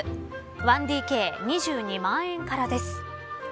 １ＤＫ、２２万円からです。